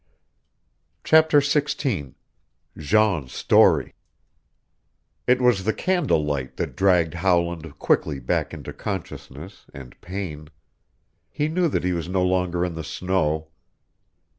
CHAPTER XVI JEAN'S STORY It was the candle light that dragged Howland quickly back into consciousness and pain. He knew that he was no longer in the snow.